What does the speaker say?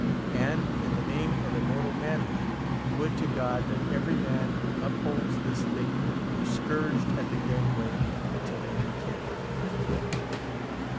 And, in the name of immortal manhood, would to God that every man who upholds this thing were scourged at the gangway till he recanted.